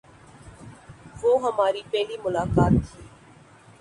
وہ ہماری پہلی ملاقات تھی۔